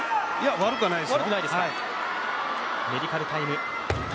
悪くはないですよ。